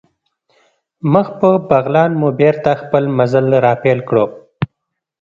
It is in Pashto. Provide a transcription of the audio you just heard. مخ په بغلان مو بېرته خپل مزل را پیل کړ.